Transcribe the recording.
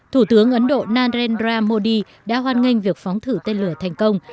thủ tướng ấn độ narendra modi đã hoan nghênh việc phóng thử tên lửa thành công